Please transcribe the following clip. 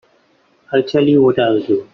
I'll tell you what I'll do.